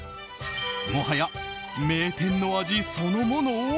もはや、名店の味そのもの？